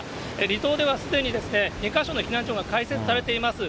離島ではすでに、２か所の避難所が開設されています。